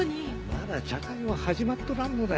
まだ茶会は始まっとらんのだよ。